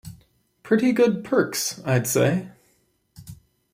Pretty good perks, I'd say.